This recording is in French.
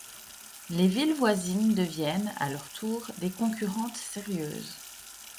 Les villes voisines deviennent, à leur tour, des concurrentes sérieuses.